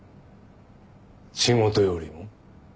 仕事よりも？